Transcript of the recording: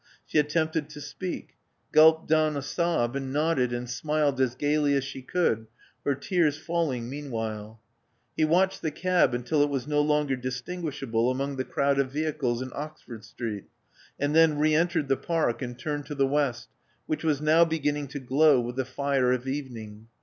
She attempted to speak; gulped down a sob ; and nodded and smiled as gaily as she could, her tears falling meanwhile. He watched the cab until it was no longer distinguishable among the crowd of vehicles in Oxford Street, and then re entered the Park and turned to the West, which was now beginning to glow with the fire of evening.